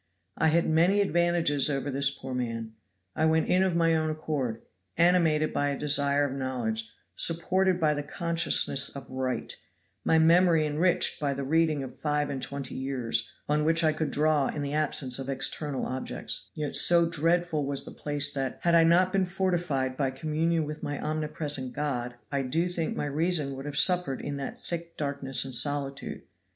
I had many advantages over this poor man. I went in of my own accord, animated by a desire of knowledge, supported by the consciousness of right, my memory enriched by the reading of five and twenty years, on which I could draw in the absence of external objects; yet so dreadful was the place that, had I not been fortified by communion with my omnipresent God, I do think my reason would have suffered in that thick darkness and solitude.